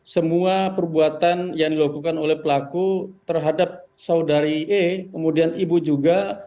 semua perbuatan yang dilakukan oleh pelaku terhadap saudari e kemudian ibu juga